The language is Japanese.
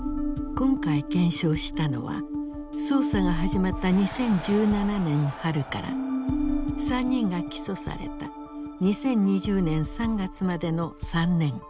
今回検証したのは捜査が始まった２０１７年春から３人が起訴された２０２０年３月までの３年間。